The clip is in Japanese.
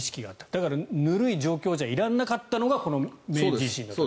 だから、ぬるい状況じゃいられなかったのが明治維新。